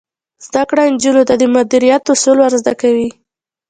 زده کړه نجونو ته د مدیریت اصول ور زده کوي.